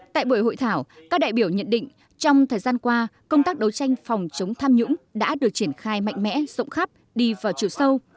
tại buổi hội thảo các đại biểu nhận định trong thời gian qua công tác đấu tranh phòng chống tham nhũng đã được triển khai mạnh mẽ rộng khắp đi vào chiều sâu